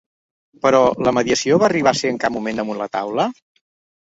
Però la mediació va arribar a ser en cap moment damunt la taula?